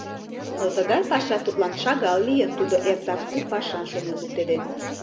Но тыгай паша тудлан шагал лийын, тудо эртак у пашам шонен луктеден.